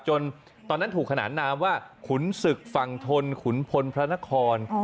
ตอนนั้นถูกขนานนามว่าขุนศึกฝั่งทนขุนพลพระนคร